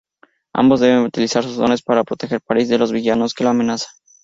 Ambos deben utilizar sus dones para proteger París de los villanos que la amenazan.